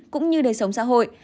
cũng như đời sống xã hội